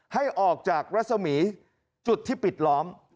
ให้ออกจากรัศมีจุดที่ปิดล้อม